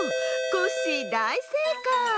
コッシーだいせいかい！